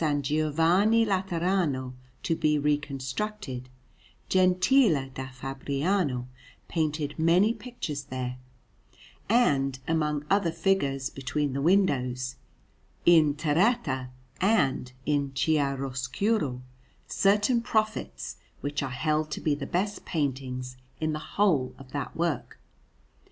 Giovanni Laterano to be reconstructed, Gentile da Fabriano painted many pictures there, and, among other figures between the windows, in terretta and in chiaroscuro, certain prophets, which are held to be the best paintings in the whole of that work.